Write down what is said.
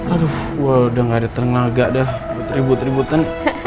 aduh udah gak ada tenaga dah teribu teributan